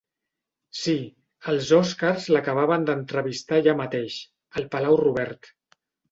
Sí, els Òscars l'acabaven d'entrevistar allà mateix, al Palau Robert.